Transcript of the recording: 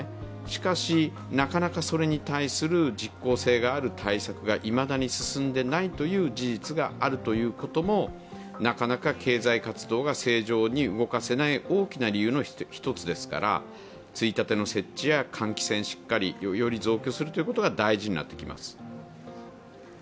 しかし、なかなかそれに対する実効性がある対策がいまだに進んでいないという事実があるということもなかなか経済活動が正常に動かせない理由の大きな一つですからついたての設置や換気扇、しっかり、より増強することが大事になってきます。